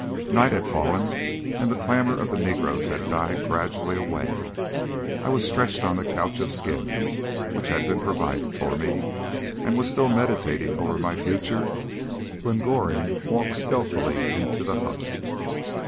Night had fallen, and the clamour of the negroes had died gradually away. I was stretched on the couch of skins which had been provided for me, and was still meditating over my future, when Goring walked stealthily into the hut.